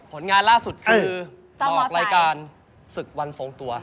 ผลงานล่าสุดคือออกรายการศึกวันทรงตัว